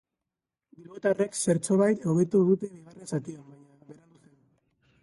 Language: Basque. Bilbotarrek zertxobait hobetu dute bigarren zatian, baina berandu zen.